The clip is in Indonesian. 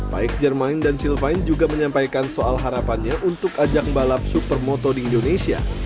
paik jermain dan sylvain juga menyampaikan soal harapannya untuk ajak balap supermoto di indonesia